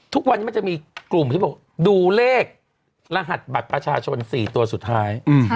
ทุกวันนี้มันจะมีกลุ่มที่บอกดูเลขรหัสบัตรประชาชน๔ตัวสุดท้าย